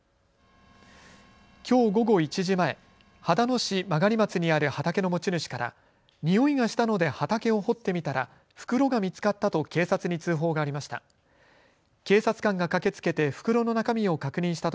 きょう午後１時前、秦野市曲松にある畑の持ち主から臭いがしたので畑を掘ってみたら袋が見つかったと警察に通報がありました。